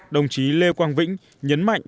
đồng chí lê quang vĩnh nhấn mạnh